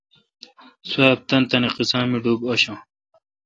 سواب تان تان قیسا می ڈوب آشاں۔